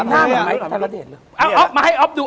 อันนั้นหมายไม่อะไรหน้าให้ออฟพ์ดู